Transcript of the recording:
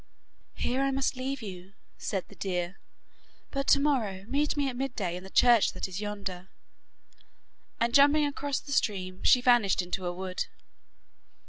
'Here I must leave you,' said the deer, 'but to morrow meet me at midday in the church that is yonder.' And jumping across the stream, she vanished into a wood.